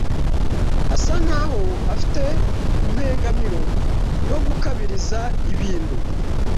Asa nkaho afite impengamiro yo gukabiriza ibintu.